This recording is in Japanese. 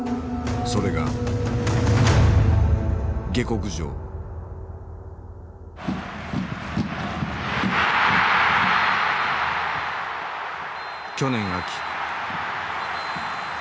それが去年秋。